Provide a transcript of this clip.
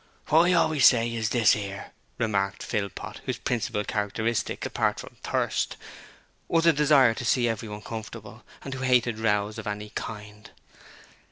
'Wot I always say is there 'ere,' remarked Philpot, whose principal characteristic apart from thirst was a desire to see everyone comfortable, and who hated rows of any kind.